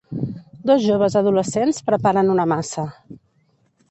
Dos joves adolescents preparen una massa.